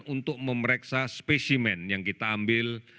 untuk memeriksa spesimen yang kita ambil